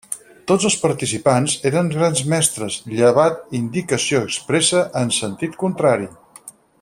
Tots els participants eren Grans Mestres, llevat indicació expressa en sentit contrari.